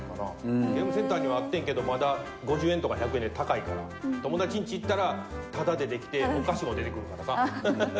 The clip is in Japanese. ゲームセンターにはあってんけどまだ５０円とか１００円で高いから友達んち行ったらタダでできてお菓子も出てくるからさ。